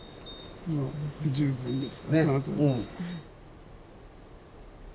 もう十分です。